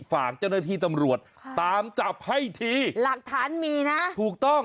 ฝากเจ้าหน้าที่ตำรวจตามจับให้ทีหลักฐานมีนะถูกต้อง